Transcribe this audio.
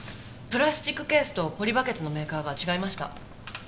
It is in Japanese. プラスチックケースとポリバケツのメーカーが違いました。